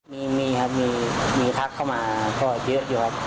มีครับมีทักเข้ามาพี่เอิร์ทอยู่ครับ